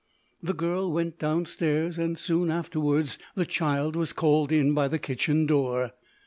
The girl went downstairs, and soon afterwards the child was called in by the kitchen door.